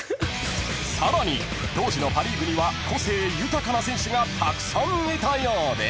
［さらに当時のパ・リーグには個性豊かな選手がたくさんいたようで］